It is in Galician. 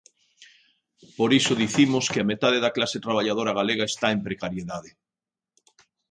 Por iso dicimos que a metade da clase traballadora galega está en precariedade.